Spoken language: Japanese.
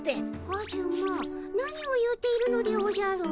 カジュマ何を言うているのでおじゃる？